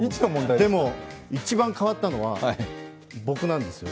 でも一番変わったのは僕なんですよ。